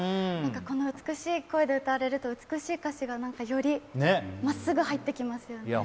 この美しい声で歌われると美しい歌詞がよりまっすぐ入ってきますよね。